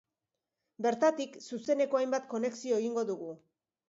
Bertatik zuzeneko hainbat konexio egingo dugu.